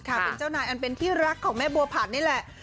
เป็นเจ้านายอันเป็นที่รักของแม่บัวผัดนี่แหละ